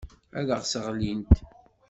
Ad aɣ-sseɣlint.